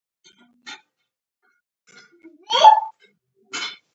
ځغاسته د بدن نرمښت زیاتوي